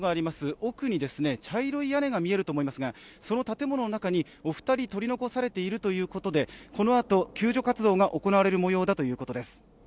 奥に茶色い屋根が見えると思いますがその建物の中にお二人取り残されているということでこのあと救助活動が行われる模様だということです。